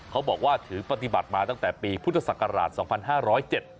เขาบอกว่าถือปฏิบัติมาตั้งแต่ปีพุทธศักราช๒๕๐๗